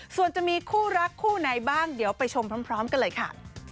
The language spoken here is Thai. ส่วนจะมีคู่รักคู่ไหนบ้างเดี๋ยวไปชมพร้อมกันเลยค่ะ